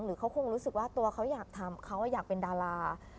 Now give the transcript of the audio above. เขาคงรู้สึกว่าตัวเขาอยากทำเขาอยากเป็นดารา